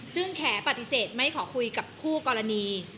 ซึ่งแขปฏิเสธไม่ขอคุยกับคู่กรณี